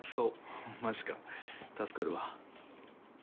おっマジか助かるわ。